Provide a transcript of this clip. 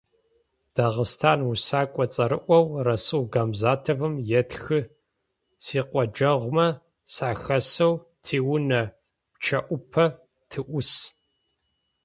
Дагъыстан усэкӏо цӏэрыӀоу Расул Гамзатовым етхы: «Сикъоджэгъумэ сахэсэу тиунэ пчъэӏупэ тыӏус».